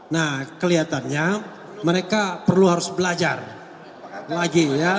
nah kelihatannya mereka perlu harus belajar lagi ya